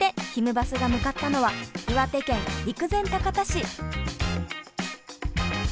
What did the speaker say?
バスが向かったのは岩手県陸前高田市。